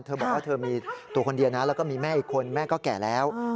บอกว่าเธอมีตัวคนเดียวนะแล้วก็มีแม่อีกคนแม่ก็แก่แล้ว